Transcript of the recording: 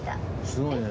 すごいね。